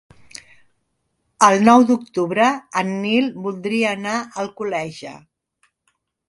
El nou d'octubre en Nil voldria anar a Alcoleja.